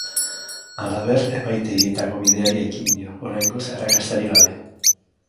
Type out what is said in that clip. Halaber, epaitegietako bideari ekin dio, oraingoz arrakastarik gabe.